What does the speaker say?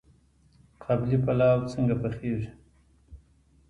قابلي پلاو څنګه پخیږي؟